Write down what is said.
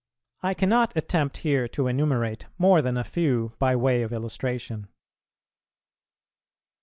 I cannot attempt here to enumerate more than a few by way of illustration. 3.